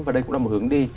và đây cũng là một hướng đi